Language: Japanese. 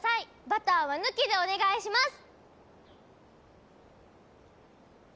バターは抜きでお願いします！